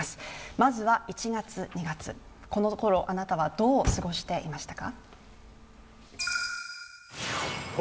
まずは１月、２月、このころあなたはどう過ごしていましたか？